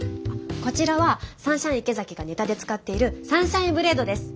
こちらはサンシャイン池崎がネタで使っているサンシャインブレイドです。